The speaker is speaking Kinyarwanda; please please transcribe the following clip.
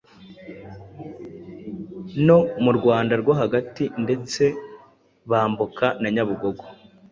no mu Rwanda rwo Hagati ndetse bambuka na Nyabarongo